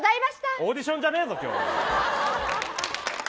オーディションじゃないぞ今日。